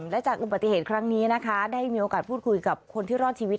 และจากอุบัติเหตุครั้งนี้นะคะได้มีโอกาสพูดคุยกับคนที่รอดชีวิต